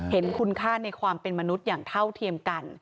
เห็นคุณค่าในความเป็นมนุษย์อย่างเท่าเทียมกัน